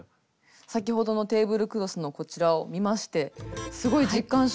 先ほどのテーブルクロスのこちらを見ましてすごい実感しました。